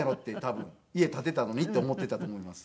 家建てたのにって思っていたと思います。